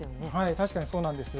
確かにそうなんです。